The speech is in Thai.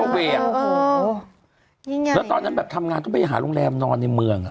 โอ้โหนี่ไงแล้วตอนนั้นแบบทำงานต้องไปหาโรงแรมนอนในเมืองอ่ะ